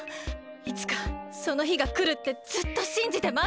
いつかそのひがくるってずっとしんじてまってた！